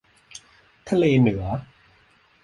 ทะเลเหนือ